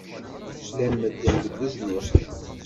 Llan medden deg uzniq.